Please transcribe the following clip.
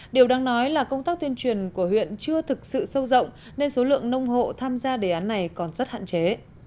điều đang nói là công tác tuyên truyền của huyện chưa thực sự sâu rộng nên số lượng nông hộ tham gia đề án này còn rất hạn chế